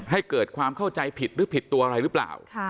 ให้เกิดความเข้าใจผิดหรือผิดตัวอะไรหรือเปล่า